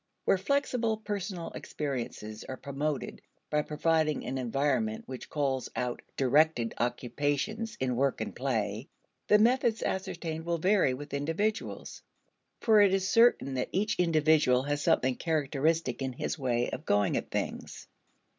Where flexible personal experiences are promoted by providing an environment which calls out directed occupations in work and play, the methods ascertained will vary with individuals for it is certain that each individual has something characteristic in his way of going at things.